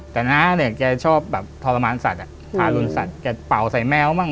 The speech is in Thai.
แต่น้าเนี่ยแกชอบแบบทรมานสัตว์ทารุณสัตว์แกเป่าใส่แมวบ้าง